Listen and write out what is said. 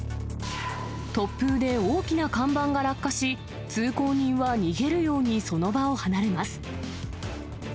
突風で大きな看板が落下し、通行人は逃げるようにその場を離れます。